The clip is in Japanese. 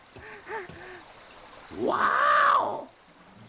ワーオ！